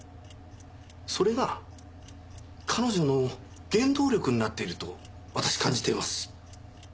それが彼女の原動力になっていると私感じています。